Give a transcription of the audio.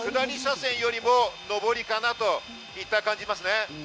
下り車線よりも上りかなといった感じですね。